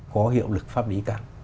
có hiệu lực pháp lý cả